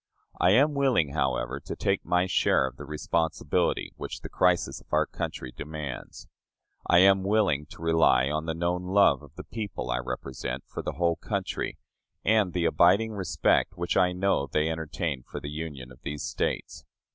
I am willing, however, to take my share of the responsibility which the crisis of our country demands. I am willing to rely on the known love of the people I represent for the whole country, and the abiding respect which I know they entertain for the Union of these States.